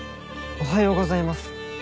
おはようございます。